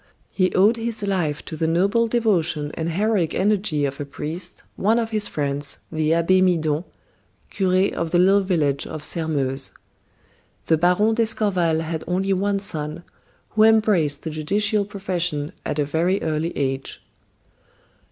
He owed his life to the noble devotion and heroic energy of a priest, one of his friends, the Abbe Midon, cure of the little village of Sairmeuse. The baron d'Escorval had only one son, who embraced the judicial profession at a very early age."